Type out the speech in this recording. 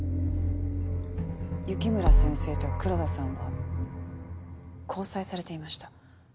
雪村先生と黒田さんは交際されていました。